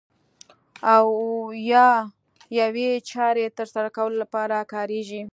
او یا یوې چارې ترسره کولو لپاره کاریږي.